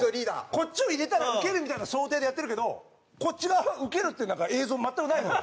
こっちを入れたらウケるみたいな想定でやってるけどこっち側はウケるっていう映像全くないのよ。